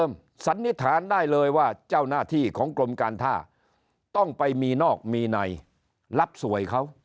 สันนิษฐานได้เลยว่าเจ้าหน้าที่ของกรมการท่าต้องไปมีนอกมีในรับสวยเขา